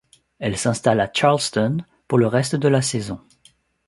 Elle s'installe à Charleston pour le reste de la saison.